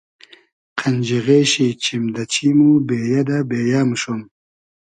قئنجیغې شی چیم دۂ چیم و بېیۂ دۂ بېیۂ موشوم